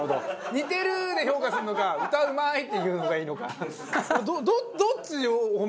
似てるで評価するのか歌うまいって言うのがいいのか。